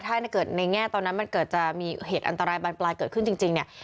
ถ้าเกิดในแง่ตอนนั้นมันเกิดจะมีเหตุอันตรายบานปลายเกิดขึ้นจริงเนี่ย